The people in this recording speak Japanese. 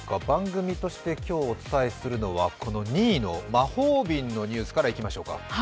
番組として今日お伝えするのは２位の魔法瓶のニュースからいきましょうか。